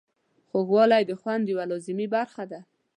خوږوالی د خوند یوه لازمي برخه ده.